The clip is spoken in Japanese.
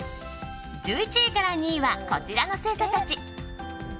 １１位から２位はこちらの星座たち。